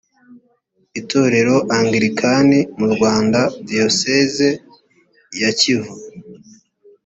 itorero angilikani mu rwanda diyoseze ya kivu